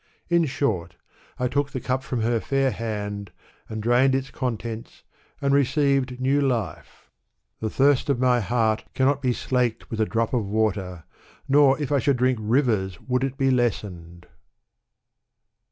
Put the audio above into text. In short, I took the cup from her fair hand, and drained its contents, and received new life. " 77tf thirst of my heart cannot be slaked with a drop of watery nor if I should drink rivers would it be lessened.